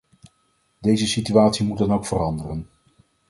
Deze situatie moet dan ook veranderen.